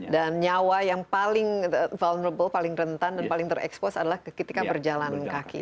dan nyawa yang paling vulnerable paling rentan paling terekspos adalah ketika berjalan kaki